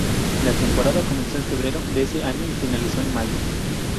La temporada comenzó en febrero de ese año y finalizó en mayo.